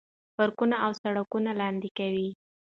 پارکونه او سړکونه لاندې کوي.